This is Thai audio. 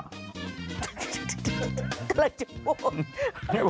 อะไรจะพูด